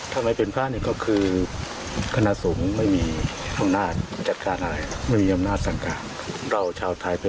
สาปมห